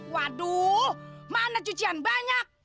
waduh mana cucian banyak